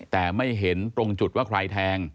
แต่ไม่เห็นตรงจุดว่าใครแทง